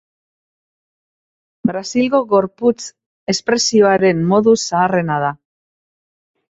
Brasilgo gorputz-espresioaren modu zaharrena da.